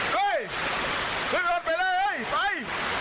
เฮ้ยขึ้นรถไปเลยไป